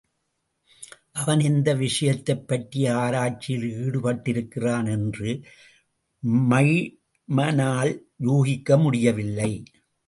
அவன் எந்த விஷயத்தைப்பற்றிய ஆராய்ச்சியில் ஈடுப்ட்டிருக்கிறான் என்று மைமனால் யூகிக்க முடியவில்லை.